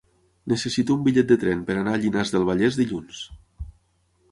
Necessito un bitllet de tren per anar a Llinars del Vallès dilluns.